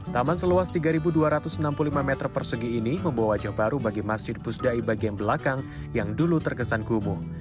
taman seluas tiga dua ratus enam puluh lima meter persegi ini membawa wajah baru bagi masjid pusdai bagian belakang yang dulu terkesan kumuh